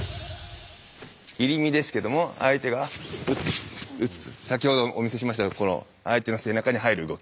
入身ですけども相手が先ほどお見せしましたようにこの相手の背中に入る動き。